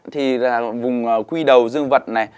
thì vùng quy đầu dương vật này